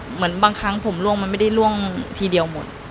เหมือนบางครั้งผมล่วงมันไม่ได้ล่วงทีเดียวหมด